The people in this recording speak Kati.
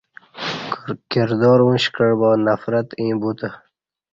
کردار اُش کعہ با نفرت ییں بوتہ